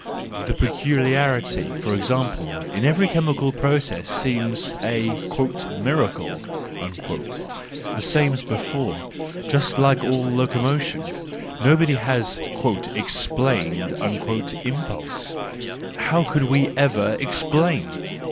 The peculiarity, for example, in every chemical process seems a " miracle," the same as before, just like all locomotion; nobody has " explained " impulse. How could we ever explain!